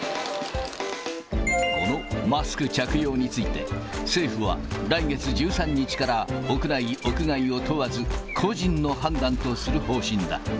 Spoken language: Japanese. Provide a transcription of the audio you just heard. このマスク着用について、政府は来月１３日から、屋内、屋外を問わず、個人の判断とする方針だ。